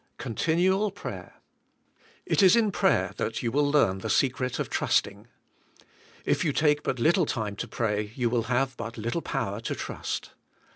Continual prayer. It is in prayer that you will leaxn the secret of trust ingf. If you take but little time to pray you will have but little power to trust.